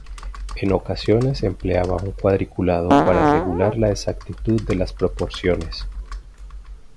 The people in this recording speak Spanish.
En ocasiones empleaba un cuadriculado para regular la exactitud de las proporciones.